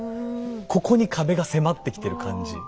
ここに壁が迫ってきてる感じ。